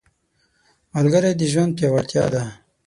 ملګری د ژوند پیاوړتیا ده